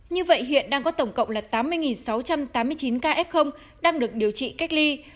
như vậy hiện đang có tổng cộng là tám mươi sáu trăm tám mươi chín ca f đang được điều trị cách ly